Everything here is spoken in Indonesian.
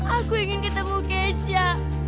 aku ingin ketemu keisha